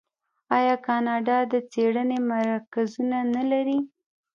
آیا کاناډا د څیړنې مرکزونه نلري؟